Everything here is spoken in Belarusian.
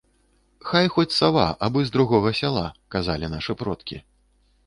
Хай хоць сава, абы з другога сяла, казалі нашы продкі.